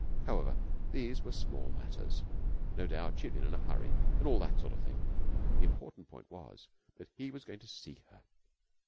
However, these were small matters. No doubt she had been in a hurry and all that sort of thing. The important point was that he was going to see her.